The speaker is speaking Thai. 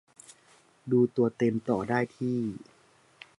ดูตัวเต็มต่อได้ที่